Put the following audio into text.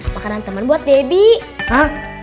makanan temen buat debbie